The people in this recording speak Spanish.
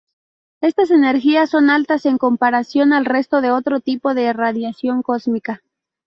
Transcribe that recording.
Estas energías son altas en comparación al resto de otro tipos de radiación cósmica.